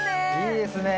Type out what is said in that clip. いいですね